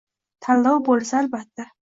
Tanlov bo‘lsa, albatta.